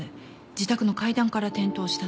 自宅の階段から転倒したと。